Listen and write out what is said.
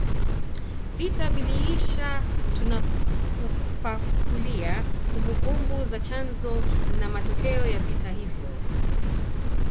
Vita viliisha tunakupakulia kumbukumbu za chanzo na matokeo ya vita hivyo